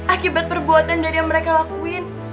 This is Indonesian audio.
akibat perbuatan dari yang mereka lakuin